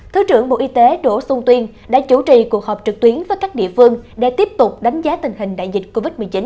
thứ trưởng bộ y tế đỗ xuân tuyên đã chủ trì cuộc họp trực tuyến với các địa phương để tiếp tục đánh giá tình hình đại dịch covid một mươi chín